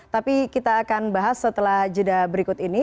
tapi kita akan bahas setelah jeda berikut ini